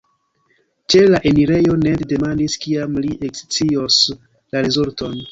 Ĉe la enirejo, Ned demandis kiam li ekscios la rezulton.